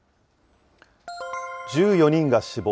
１４人が死亡、